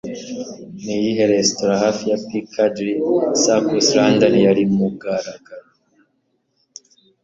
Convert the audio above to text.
Niyihe resitora, hafi ya Piccadilly Circus London, yari mugaragaro